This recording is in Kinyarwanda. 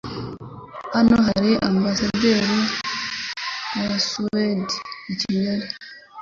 Hano hari ambasade ya Suwede ikigali